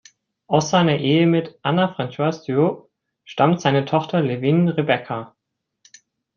Aus seiner Ehe mit "Anna Francoise du Hot" stammt seine Tochter "Levine Rebekka".